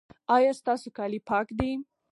ایا ستاسو کالي پاک دي؟